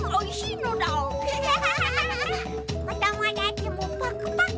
おともだちもパクパク！